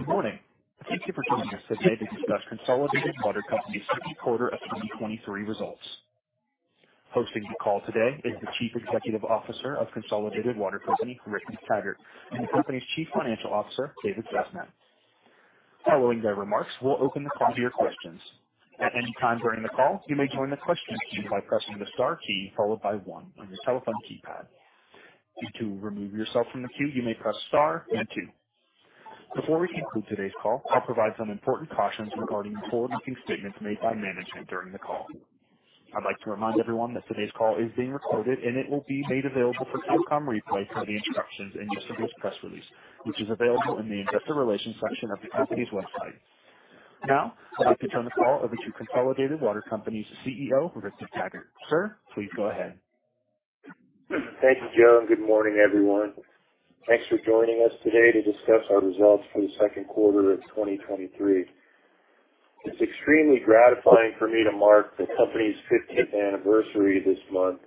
Good morning. Thank you for joining us today to discuss Consolidated Water Company's second quarter of 2023 results. Hosting the call today is the Chief Executive Officer of Consolidated Water Company, Rick McTaggart, and the company's Chief Financial Officer, David Sasnett. Following their remarks, we'll open the call to your questions. At any time during the call, you may join the question queue by pressing the star key, followed by 1 on your telephone keypad. To remove yourself from the queue, you may press star and 2. Before we conclude today's call, I'll provide some important cautions regarding forward-looking statements made by management during the call. I'd like to remind everyone that today's call is being recorded, and it will be made available for telecom replay per the instructions in yesterday's press release, which is available in the Investor Relations section of the company's website. Now, I'd like to turn the call over to Consolidated Water Company's CEO, Frederick McTaggart. Sir, please go ahead. Thank you, Joe. Good morning, everyone. Thanks for joining us today to discuss our results for the second quarter of 2023. It's extremely gratifying for me to mark the company's fiftieth anniversary this month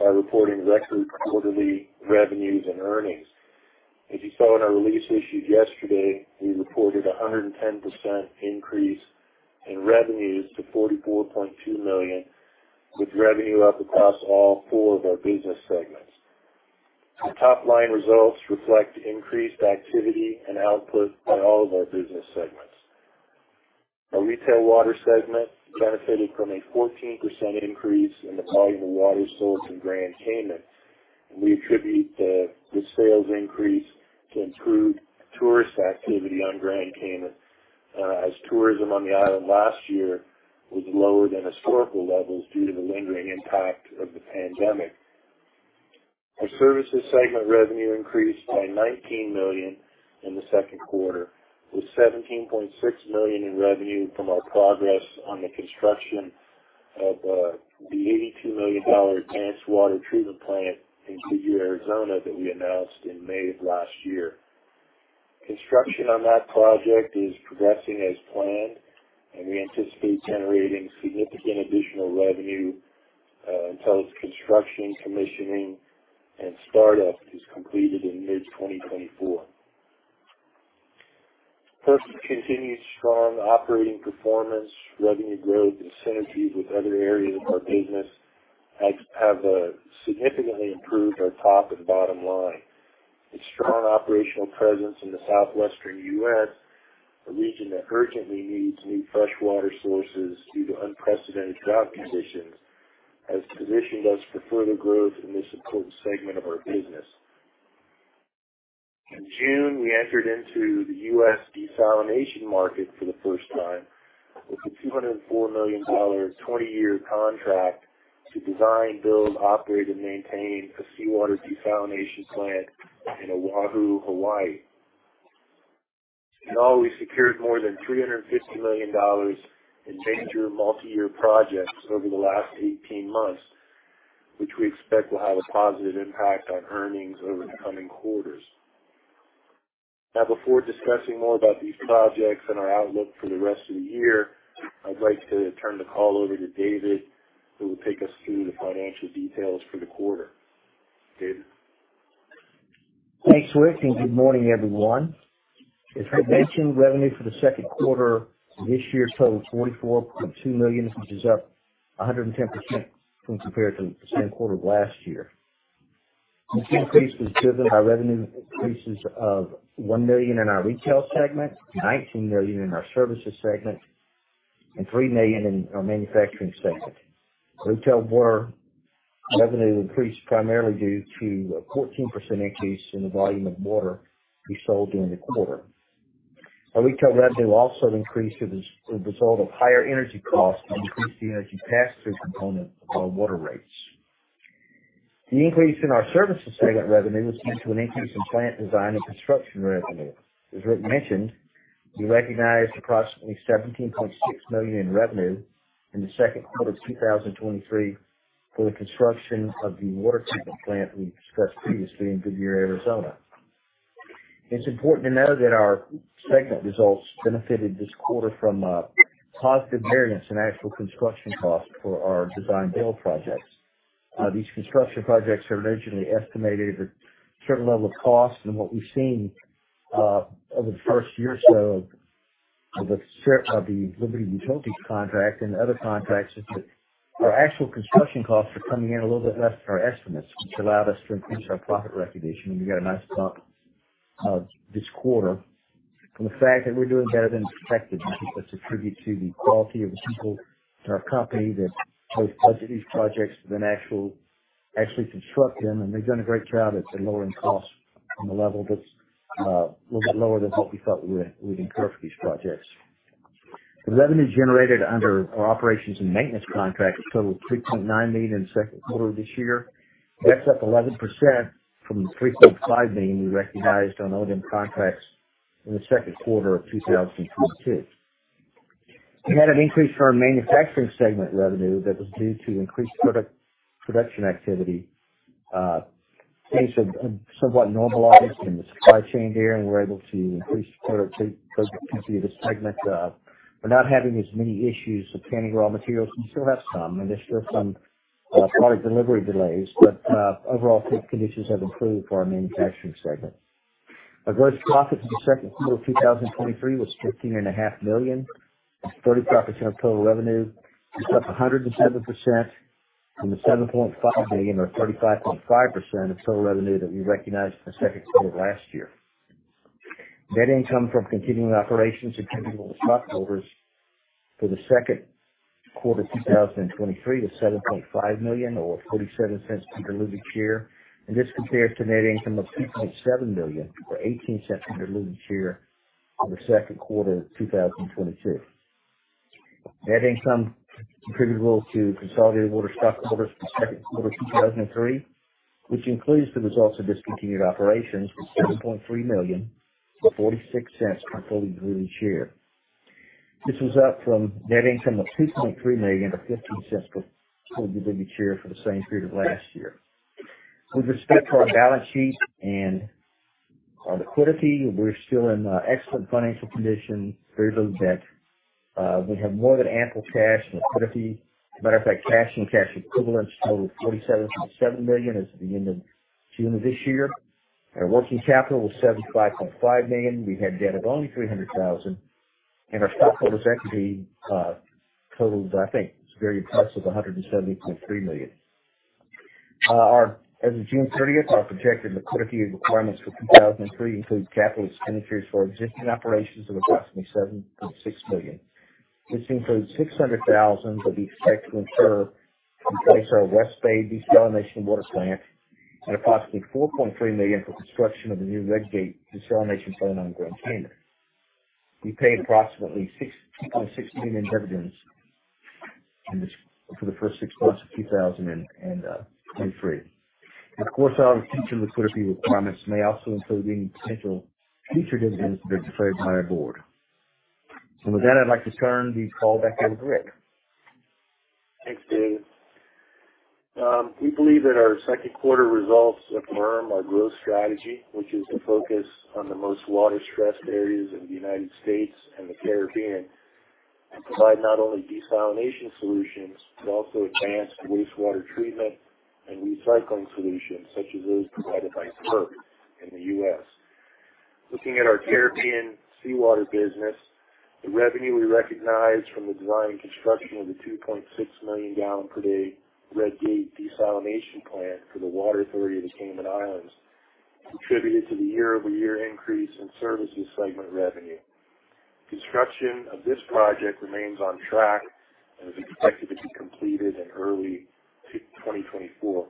by reporting record quarterly revenues and earnings. As you saw in our release issued yesterday, we reported a 110% increase in revenues to $44.2 million, with revenue up across all four of our business segments. Our top-line results reflect increased activity and output in all of our business segments. Our retail water segment benefited from a 14% increase in the volume of water sold in Grand Cayman. We attribute the sales increase to improved tourist activity on Grand Cayman as tourism on the island last year was lower than historical levels due to the lingering impact of the pandemic. Our services segment revenue increased by $19 million in the second quarter, with $17.6 million in revenue from our progress on the construction of the $82 million advanced water treatment plant in Goodyear, Arizona, that we announced in May of last year. Construction on that project is progressing as planned. We anticipate generating significant additional revenue until its construction, commissioning, and startup is completed in mid-2024. First, continued strong operating performance, revenue growth, and synergies with other areas of our business have significantly improved our top and bottom line. Its strong operational presence in the southwestern U.S., a region that urgently needs new fresh water sources due to unprecedented drought conditions, has positioned us for further growth in this important segment of our business. In June, we entered into the U.S. desalination market for the first time with a $204 million 20-year contract to design, build, operate, and maintain a seawater desalination plant in Oahu, Hawaii. In all, we secured more than $350 million in major multiyear projects over the last 18 months, which we expect will have a positive impact on earnings over the coming quarters. Before discussing more about these projects and our outlook for the rest of the year, I'd like to turn the call over to David, who will take us through the financial details for the quarter. David? Thanks, Rick, good morning, everyone. As Rick mentioned, revenue for the second quarter of this year totaled $44.2 million, which is up 110% when compared to the same quarter of last year. This increase was driven by revenue increases of $1 million in our retail segment, $19 million in our services segment, and $3 million in our manufacturing segment. Retail water revenue increased primarily due to a 14% increase in the volume of water we sold during the quarter. Our retail revenue also increased as a result of higher energy costs and increased the energy pass-through component of our water rates. The increase in our services segment revenue was due to an increase in plant design and construction revenue. As Rick mentioned, we recognized approximately $17.6 million in revenue in the second quarter of 2023 for the construction of the water treatment plant we discussed previously in Goodyear, Arizona. It's important to note that our segment results benefited this quarter from positive variance in actual construction costs for our design-build projects. These construction projects are originally estimated at a certain level of cost. What we've seen over the first year or so of the Liberty Utilities contract and other contracts, is that our actual construction costs are coming in a little bit less than our estimates, which allowed us to increase our profit recognition, and we got a nice bump this quarter. From the fact that we're doing better than expected, I think that's attributable to the quality of the people in our company that both budget these projects, then actually construct them. They've done a great job at lowering costs to a level that's a little bit lower than what we thought we'd incur for these projects. The revenue generated under our operations and maintenance contracts totaled $3.9 million in the second quarter this year. That's up 11% from the $3.5 million we recognized on OM contracts in the second quarter of 2022. We had an increase to our manufacturing segment revenue that was due to increased product production activity. Things have somewhat normalized in the supply chain there, and we're able to increase productivity of this segment. We're not having as many issues with obtaining raw materials. We still have some, and there's still some product delivery delays, but overall, conditions have improved for our manufacturing segment. Our gross profit for the second quarter of 2023 was $13.5 million, 30% of total revenue, is up 107% from the $7.5 million or 35.5% of total revenue that we recognized in the second quarter of last year. Net income from continuing operations attributable to stockholders for the second quarter, 2023, was $7.5 million, or $0.47 per diluted share, and this compares to net income of $2.7 million or $0.18 per diluted share for the second quarter of 2022. Net income attributable to Consolidated Water stockholders for the second quarter of 2003, which includes the results of discontinued operations, was $7.3 million, $0.46 per fully diluted share. This was up from net income of $2.3 million to $0.15 per fully diluted share for the same period last year. With respect to our balance sheet and our liquidity, we're still in excellent financial condition, very low debt. We have more than ample cash and liquidity. Matter of fact, cash and cash equivalents totaled $47.7 million as of the end of June of this year. Our working capital was $75.5 million. We had debt of only $300,000, and our stockholders' equity totaled, I think, very close to $170.3 million. Our as of June 30th, our projected liquidity requirements for 2003 include capital expenditures for existing operations of approximately $7.6 million. This includes $600,000 that we expect to incur to replace our West Bay and approximately $4.3 million for construction of the new Red Gate desalination plant on Grand Cayman. We paid approximately $6.6 million in dividends for the first six months of 2023. Of course, our future liquidity requirements may also include any potential future dividends that are declared by our board. With that, I'd like to turn the call back over to Rick. Thanks, David. We believe that our second quarter results affirm our growth strategy, which is to focus on the most water-stressed areas of the United States and the Caribbean and provide not only desalination solutions, but also advanced wastewater treatment and recycling solutions such as those provided by PERC in the U.S. Looking at our Caribbean seawater business, the revenue we recognized from the design and construction of the 2.6 million gallon per day Red Gate desalination plant for the Water Authority - Cayman, contributed to the year-over-year increase in services segment revenue. Construction of this project remains on track and is expected to be completed in early 2024.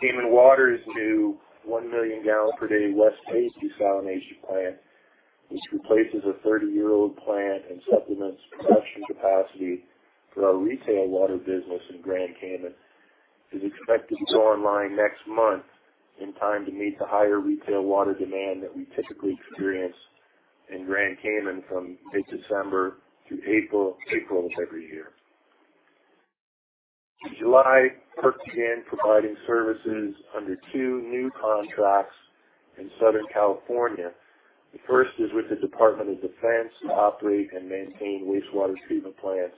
Cayman Water's new 1 million gallon per day West Bay desalination plant, which replaces a 30-year-old plant and supplements production capacity for our retail water business in Grand Cayman, is expected to go online next month in time to meet the higher retail water demand that we typically experience in Grand Cayman from mid-December to April, April of every year. In July, PERC began providing services under 2 new contracts in Southern California. The first is with the Department of Defense to operate and maintain wastewater treatment plants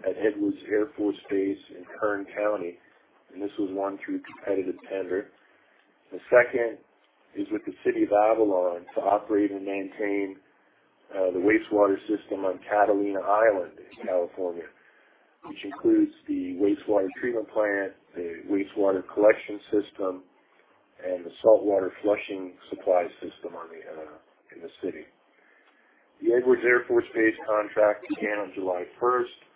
at Edwards Air Force Base in Kern County. This was won through competitive tender. The second is with the City of Avalon to operate and maintain the wastewater system on Catalina Island in California, which includes the wastewater treatment plant, the wastewater collection system, and the saltwater flushing supply system on the in the city. The Edwards Air Force Base contract began on July first. It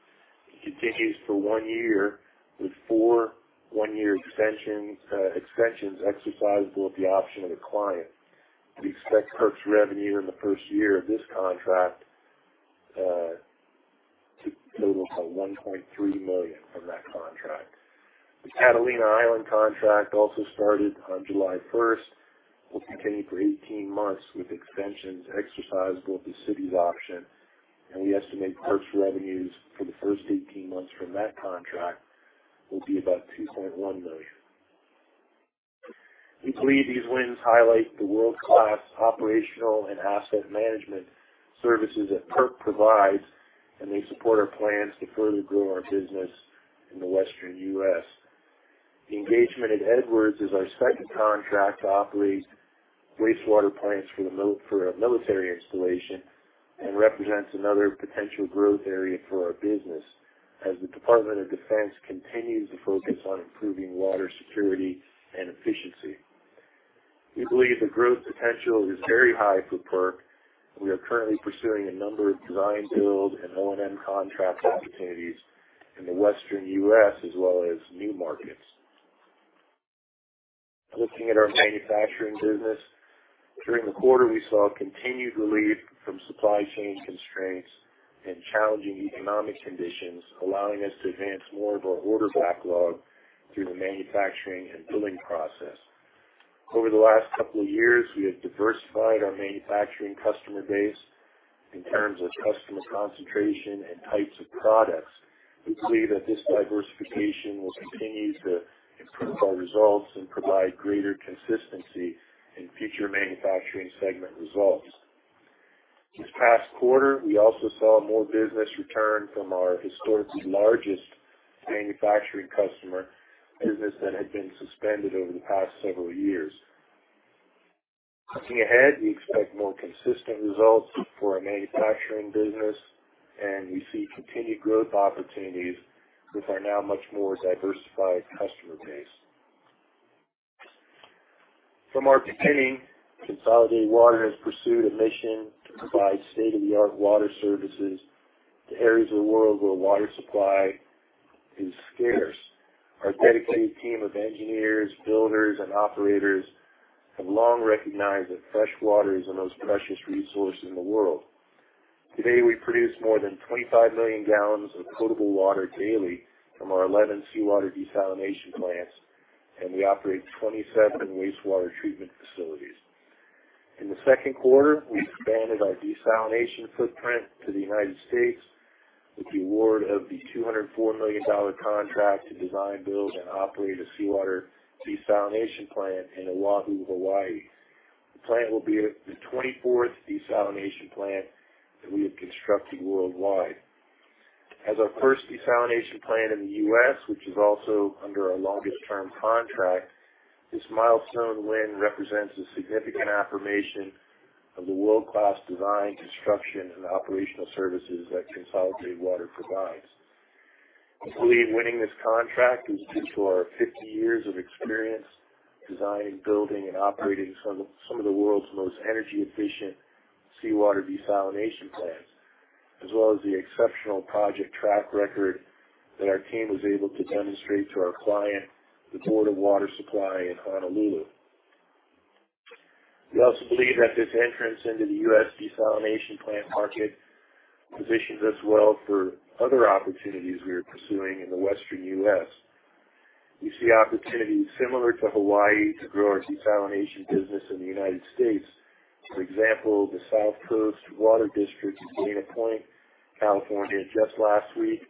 continues for 1 year, with 4 one-year extensions, extensions exercisable at the option of the client. We expect PERC's revenue in the first year of this contract to total about $1.3 million from that contract. The Catalina Island contract also started on July first, will continue for 18 months, with extensions exercisable at the city's option, and we estimate PERC's revenues for the first 18 months from that contract will be about $2.1 million. We believe these wins highlight the world-class operational and asset management services that PERC provides, and they support our plans to further grow our business in the Western U.S. The engagement at Edwards is our second contract to operate wastewater plants for a military installation and represents another potential growth area for our business as the Department of Defense continues to focus on improving water security and efficiency. We believe the growth potential is very high for PERC. We are currently pursuing a number of design, build, and O&M contract opportunities in the Western US as well as new markets. Looking at our manufacturing business, during the quarter, we saw continued relief from supply chain constraints and challenging economic conditions, allowing us to advance more of our order backlog through the manufacturing and billing process. Over the last couple of years, we have diversified our manufacturing customer base in terms of customer concentration and types of products. We believe that this diversification will continue to improve our results and provide greater consistency in future manufacturing segment results.... This past quarter, we also saw more business return from our historically largest manufacturing customer, business that had been suspended over the past several years. Looking ahead, we expect more consistent results for our manufacturing business, and we see continued growth opportunities with our now much more diversified customer base. From our beginning, Consolidated Water has pursued a mission to provide state-of-the-art water services to areas of the world where water supply is scarce. Our dedicated team of engineers, builders and operators have long recognized that fresh water is the most precious resource in the world. Today, we produce more than 25 million gallons of potable water daily from our 11 seawater desalination plants, and we operate 27 wastewater treatment facilities. In the second quarter, we expanded our desalination footprint to the United States with the award of the $204 million contract to design, build and operate a seawater desalination plant in Oahu, Hawaii. The plant will be the 24th desalination plant that we have constructed worldwide. As our first desalination plant in the U.S., which is also under our longest term contract, this milestone win represents a significant affirmation of the world-class design, construction, and operational services that Consolidated Water provides. We believe winning this contract is due to our 50 years of experience designing, building, and operating some of, some of the world's most energy-efficient seawater desalination plants, as well as the exceptional project track record that our team was able to demonstrate to our client, the Board of Water Supply in Honolulu. We also believe that this entrance into the U.S. desalination plant market positions us well for other opportunities we are pursuing in the Western U.S. We see opportunities similar to Hawaii to grow our desalination business in the United States. For example, the South Coast Water District in Dana Point, California, just last week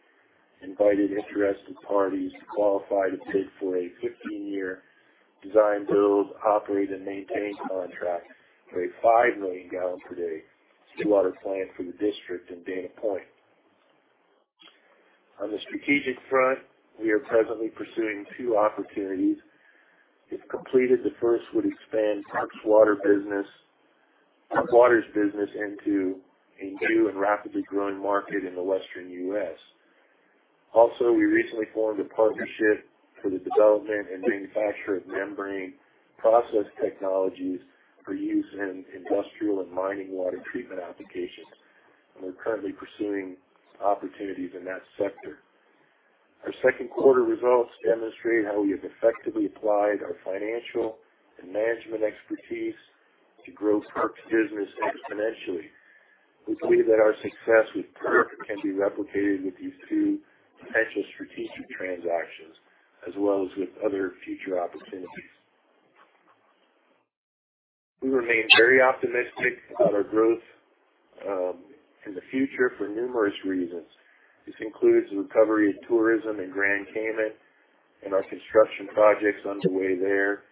invited interested parties to qualify to bid for a 15-year design, build, operate, and maintain contract for a 5 million gallon per day seawater plant for the district in Dana Point. On the strategic front, we are presently pursuing two opportunities. If completed, the first would expand PERC Water's business into a new and rapidly growing market in the Western U.S. Also, we recently formed a partnership for the development and manufacture of membrane process technologies for use in industrial and mining water treatment applications, and we're currently pursuing opportunities in that sector. Our second quarter results demonstrate how we have effectively applied our financial and management expertise to grow PERC business exponentially. We believe that our success with PERC can be replicated with these two potential strategic transactions as well as with other future opportunities. We remain very optimistic about our growth in the future for numerous reasons. This includes the recovery of tourism in Grand Cayman and our construction projects underway there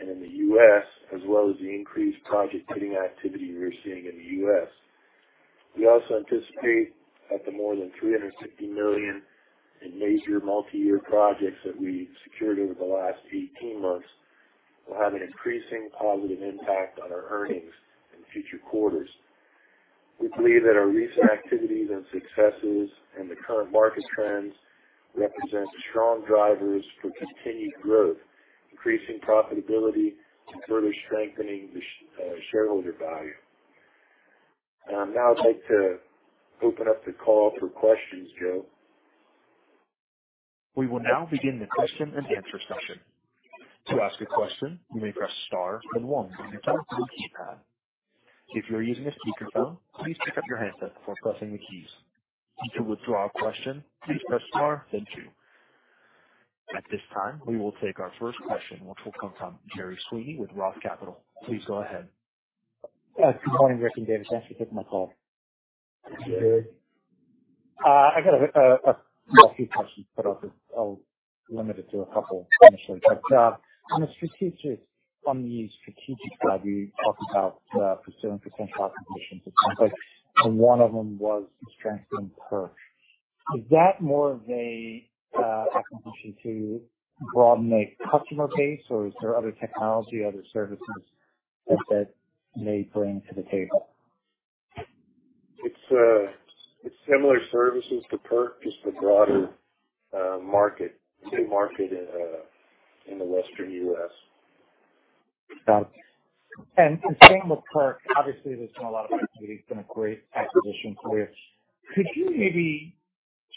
and in the U.S., as well as the increased project bidding activity we're seeing in the U.S. We also anticipate that the more than $360 million in major multi-year projects that we've secured over the last 18 months will have an increasing positive impact on our earnings in future quarters. We believe that our recent activities and successes and the current market trends represent strong drivers for continued growth, increasing profitability to further strengthening the shareholder value. Now I'd like to open up the call for questions, Joe. We will now begin the question and answer session. To ask a question, you may press star then one on your telephone keypad. If you're using a speakerphone, please pick up your handset before pressing the keys. To withdraw a question, please press star then two. At this time, we will take our first question, which will come from Gerry Sweeney with ROTH Capital.. Please go ahead. Good morning, Rick and David. Thanks for taking my call. Good day. I got a few questions, but I'll, I'll limit it to a couple initially. On the strategic, on the strategic side, we talked about pursuing potential acquisitions of conflict, and one of them was strengthening PERC. Is that more of an acquisition to broaden the customer base, or is there other technology, other services that, that may bring to the table? It's, it's similar services to PERC, just a broader market, to market in, in the Western U.S. Got it. And staying with PERC, obviously, there's been a lot of activity. It's been a great acquisition for you. Could you maybe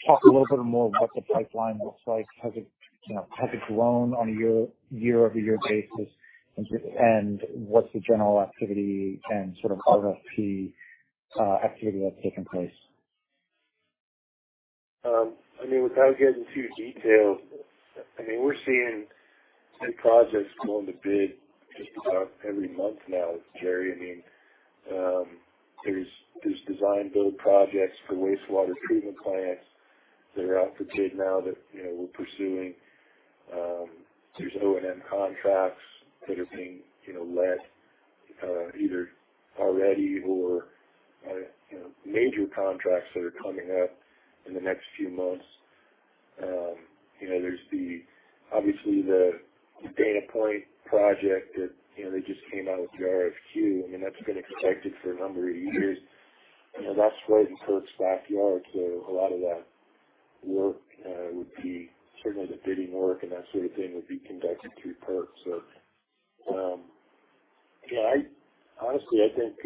talk a little bit more what the pipeline looks like? Has it, you know, has it grown on a year, year-over-year basis? And what's the general activity and sort of RFP activity that's taken place? I mean, without getting too detailed, I mean, we're seeing new projects going to bid just about every month now, Gerry. I mean, there's, there's design-build projects for wastewater treatment plants. They're out for bid now that, you know, we're pursuing. There's O&M contracts that are being, you know, let, either already or, you know, major contracts that are coming up in the next few months. You know, there's obviously the Dana Point project that, you know, they just came out with the RFQ. I mean, that's been expected for a number of years, and that's right in PERC's backyard. A lot of that work would be, certainly the bidding work and that sort of thing, would be conducted through PERC. Yeah, honestly, I think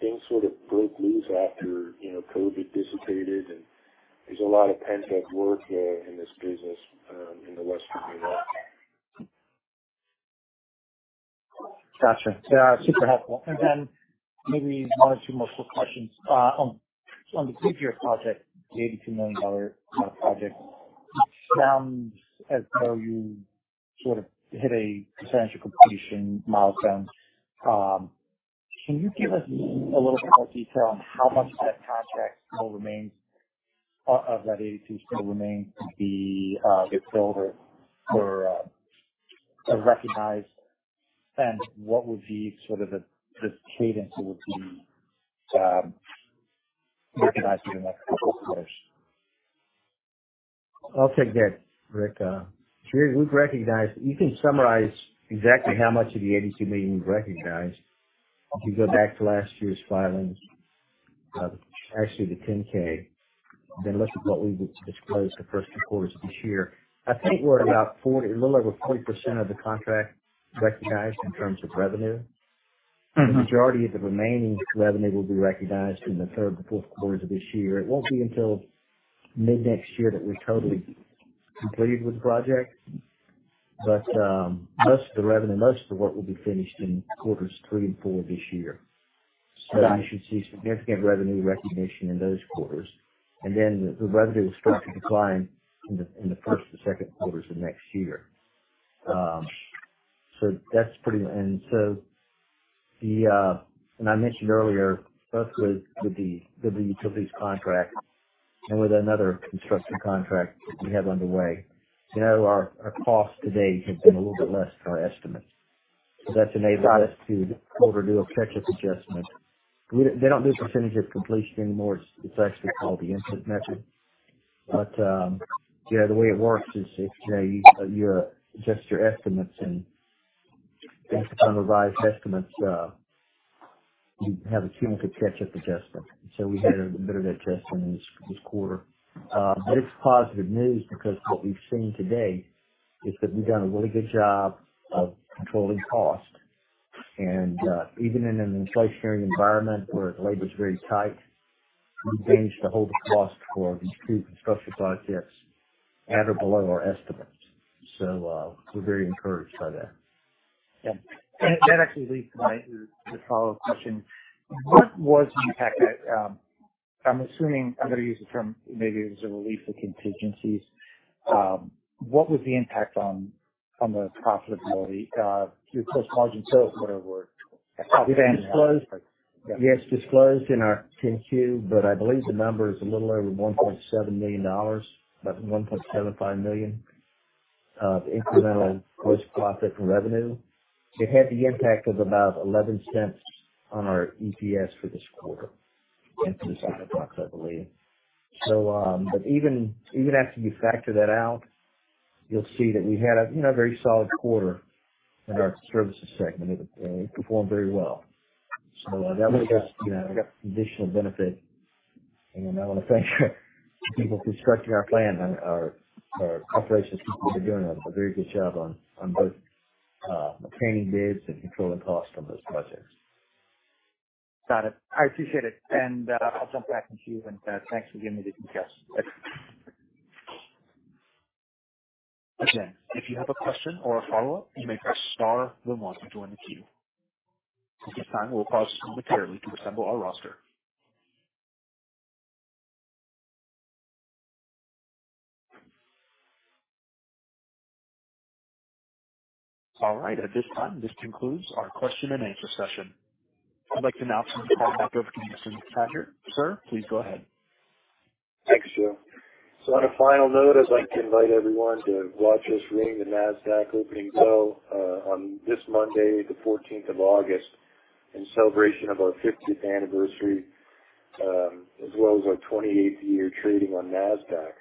things sort of broke loose after, you know, COVID dissipated, and there's a lot of pent-up work in this business in the Western U.S. Gotcha. Yeah, super helpful. Then maybe one or two more quick questions. On the Goodyear project, the $82 million project, it sounds as though you sort of hit a percentage-of-completion milestone. Can you give us a little bit more detail on how much of that contract still remains, of that $82 million still remains to be fulfilled or recognized? What would be sort of the cadence that would be recognized in the next couple of quarters? I'll take that, Rick. We've recognized... You can summarize exactly how much of the $82 million we've recognized. If you go back to last year's filings, actually the Form 10-K, then look at what we disclosed the first 2 quarters of this year. I think we're at about 40, a little over 40% of the contract recognized in terms of revenue. The majority of the remaining revenue will be recognized in the third and fourth quarters of this year. It won't be until mid-next year that we're totally completed with the project, but most of the revenue, most of the work will be finished in quarters three and four this year. Got it. You should see significant revenue recognition in those quarters, and then the, the revenue will start to decline in the, in the first and second quarters of next year. That's and so the, and I mentioned earlier, both with, with the, with the utilities contract and with another construction contract we have underway, you know, our, our costs to date have been a little bit less than our estimates. That's enabled us to overdue a catch-up adjustment. We don't, they don't do percentage-of-completion anymore. It's, it's actually called the input method. Yeah, the way it works is if, you adjust your estimates and based on the revised estimates, you have a team that could catch up adjustment. We had a bit of that adjustment this, this quarter. It's positive news because what we've seen to date is that we've done a really good job of controlling cost. Even in an inflationary environment where labor is very tight, we've managed to hold the cost for these two construction projects at or below our estimates. We're very encouraged by that. Yeah, that actually leads to my, the follow-up question. What was the impact that... I'm assuming I'm going to use the term, maybe it was a release of contingencies. What was the impact on, on the profitability, your gross margin, so whatever word? We've disclosed. We actually disclosed in our Form 10-Q. I believe the number is a little over $1.7 million, about $1.75 million of incremental gross profit and revenue. It had the impact of about $0.11 on our EPS for this quarter, into the bottom box, I believe. But even, even after you factor that out, you'll see that we had a, you know, very solid quarter in our services segment. It performed very well. That was, you know, we got additional benefit. I want to thank the people constructing our plan, our operations people are doing a very good job on both obtaining bids and controlling costs on those projects. Got it. I appreciate it, and, I'll jump back into you, and, thanks for giving me the details. Again, if you have a question or a follow-up, you may press star then one to join the queue. This time will pause momentarily to assemble our roster. All right, at this time, this concludes our question and answer session. I'd like to now turn the call back over to you, Mr. McTaggart. Sir, please go ahead. Thank you, Joe. On a final note, I'd like to invite everyone to watch us ring the Nasdaq opening bell on this Monday, the 14th of August, in celebration of our 50th anniversary, as well as our 28th year trading on Nasdaq.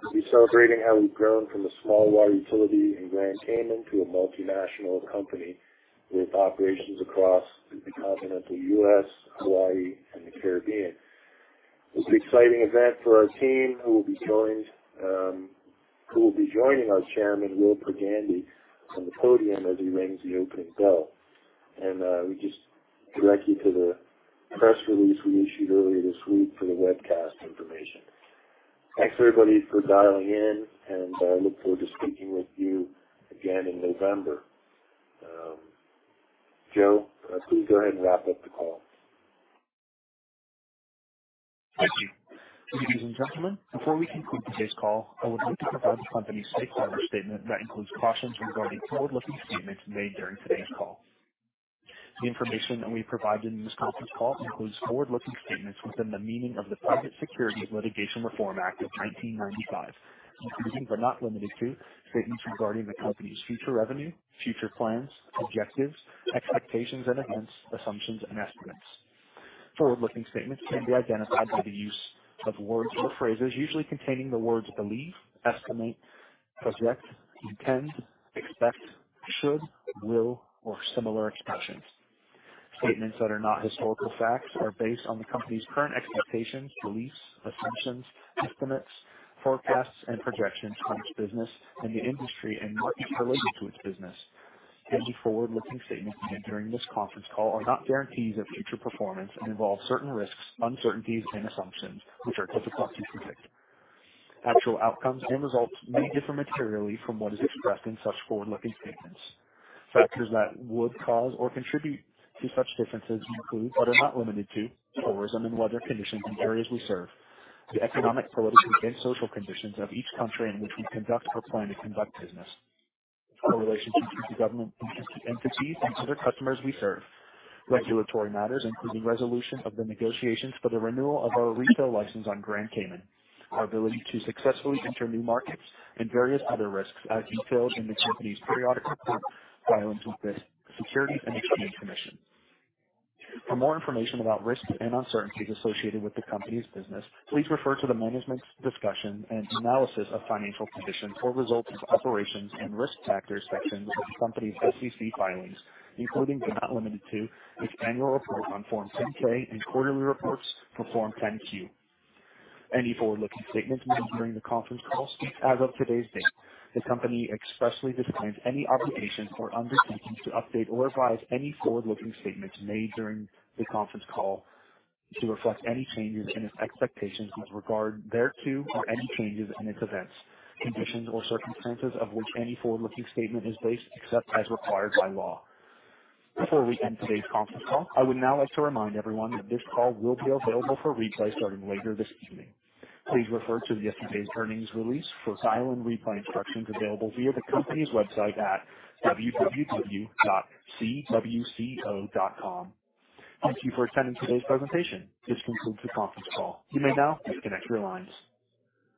We'll be celebrating how we've grown from a small water utility in Grand Cayman to a multinational company with operations across the continental U.S., Hawaii, and the Caribbean. It's an exciting event for our team, who will be joining our Chairman, Wilbert Gandy, on the podium as he rings the opening bell. We just direct you to the press release we issued earlier this week for the webcast information. Thanks, everybody, for dialing in, and I look forward to speaking with you again in November. Joe, please go ahead and wrap up the call. Thank you. Ladies and gentlemen, before we conclude today's call, I would like to provide the company's stakeholder statement that includes cautions regarding forward-looking statements made during today's call. The information that we provide in this conference call includes forward-looking statements within the meaning of the Private Securities Litigation Reform Act of 1995, including, but not limited to, statements regarding the company's future revenue, future plans, objectives, expectations, and enhance assumptions and estimates. Forward-looking statements can be identified by the use of words or phrases, usually containing the words believe, estimate, project, intend, expect, should, will, or similar expressions. Statements that are not historical facts are based on the company's current expectations, beliefs, assumptions, estimates, forecasts, and projections on its business and the industry in which it's related to its business. Any forward-looking statements made during this conference call are not guarantees of future performance and involve certain risks, uncertainties, and assumptions, which are difficult to predict. Actual outcomes and results may differ materially from what is expressed in such forward-looking statements. Factors that would cause or contribute to such differences include, but are not limited to, tourism and weather conditions in areas we serve, the economic, political, and social conditions of each country in which we conduct or plan to conduct business, our relationships with the government entities and other customers we serve. Regulatory matters, including resolution of the negotiations for the renewal of our retail license on Grand Cayman, our ability to successfully enter new markets and various other risks as detailed in the company's periodic reports filed with the SEC. For more information about risks and uncertainties associated with the company's business, please refer to the management's discussion and analysis of financial conditions or results of operations and risk factors sections of the company's SEC filings, including, but not limited to, its annual report on Form 10-K and quarterly reports for Form 10-Q. Any forward-looking statements made during the conference call speak as of today's date. The company expressly disclaims any obligation or undertaking to update or revise any forward-looking statements made during the conference call to reflect any changes in its expectations with regard thereto or any changes in its events, conditions, or circumstances of which any forward-looking statement is based, except as required by law. Before we end today's conference call, I would now like to remind everyone that this call will be available for replay starting later this evening. Please refer to yesterday's earnings release for dial-in replay instructions available via the company's website at www.cwco.com. Thank you for attending today's presentation. This concludes the conference call. You may now disconnect your lines.